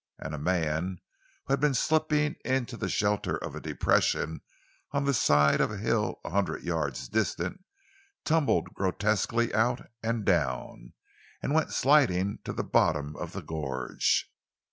And a man who had been slipping into the shelter of a depression on the side of a hill a hundred yards distant, tumbled grotesquely out and down, and went sliding to the bottom of the gorge.